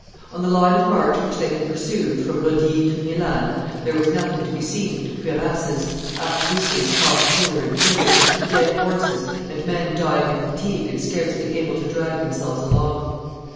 On the line of march which they had pursued, from Lodi to Milan, there was nothing to be seen but cuirasses, arquebuses tossed hither and thither, dead horses, and men dying of fatigue and scarcely able to drag themselves along.